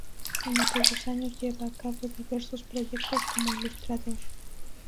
En aquellos años lleva a cabo diversos proyectos como ilustrador.